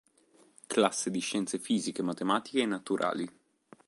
Classe di Scienze Fisiche, Matematiche e Naturali".